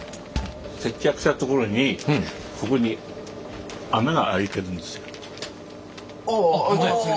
接着したところにここにああ開いてますね。